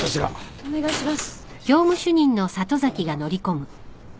お願いします。